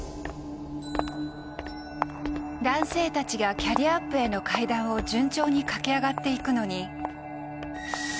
男性たちがキャリアアップへの階段を順調に駆け上がっていくのに。